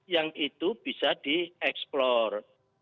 yang itu bisa dieksplor